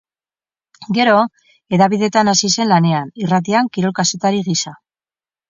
Gero hedabideetan hasi zen lanean, irratian, kirol-kazetari gisa.